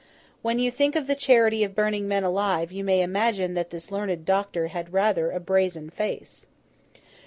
When you think of the charity of burning men alive, you may imagine that this learned doctor had a rather brazen face.